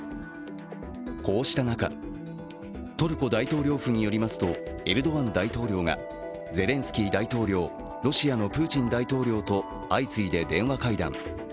こうした中、トルコ大統領府によりますとエルドアン大統領がゼレンスキー大統領、ロシアのプーチン大統領と相次いで電話会談。